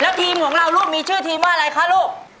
แล้วทีมของเราลูกมีชื่อทีมว่าอะไรคะลูก